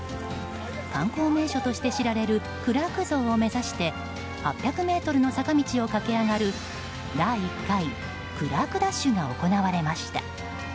観光名所として知られるクラーク像を目指して８００ｍの坂道を駆け上がる第１回クラークダッシュが行われました。